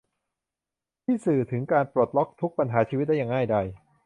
ที่สื่อถึงการปลดล็อกทุกปัญหาชีวิตได้อย่างง่ายดาย